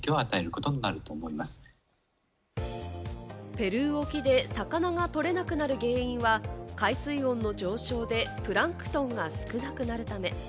ペルー沖で魚がとれなくなる原因は海水温の上昇でプランクトンが少なくなるため。